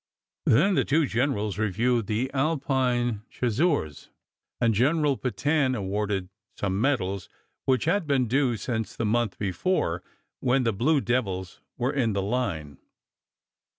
Then the two generals reviewed the Alpine Chasseurs, and General Petain awarded some medals which had been due since the month before, when the Blue Devils were in the line.